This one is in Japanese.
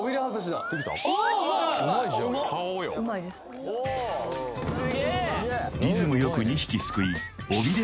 うまいうまいリズムよく２匹すくい尾びれ